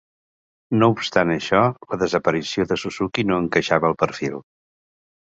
No obstant això, la desaparició de Suzuki no encaixava al perfil.